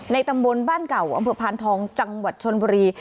ตำบลบ้านเก่าอำเภอพานทองจังหวัดชนบุรี